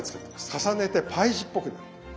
重ねてパイ地っぽくなってる。